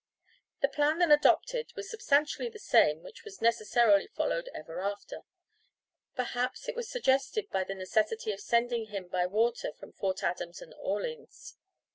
The plan then adopted was substantially the same which was necessarily followed ever after. Perhaps it was suggested by the necessity of sending him by water from Fort Adams and Orleans.